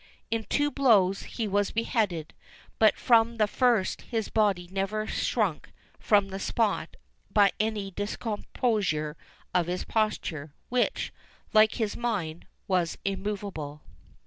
In two blows he was beheaded; but from the first his body never shrunk from the spot by any discomposure of his posture, which, like his mind, was immovable.